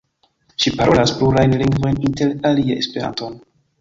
Ŝi parolas plurajn lingvojn inter alie Esperanton.